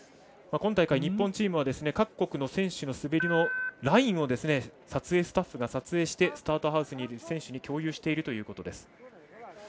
今大会、日本チームは各国の選手の滑りのラインを撮影スタッフが撮影してスタートハウスにいる選手に共有しているということです。